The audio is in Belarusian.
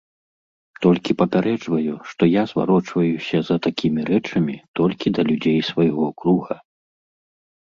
Толькі папярэджваю, што я зварочваюся за такімі рэчамі толькі да людзей свайго круга.